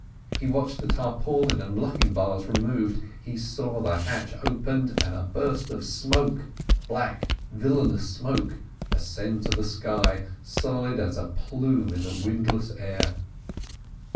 He watched the tarpaulin and locking bars removed. He saw the hatch opened, and a burst of smoke—black, villainous smoke—ascend to the sky, solid as a plume in the windless air.